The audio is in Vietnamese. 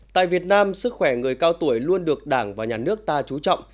tại việt nam sức khỏe người cao tuổi luôn được đảng và nhà nước ta chú trọng